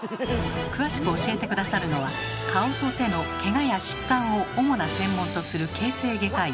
詳しく教えて下さるのは顔と手のけがや疾患を主な専門とする形成外科医